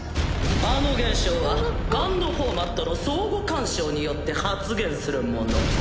あの現象はＧＵＮＤフォーマットの相互干渉によって発現するもの。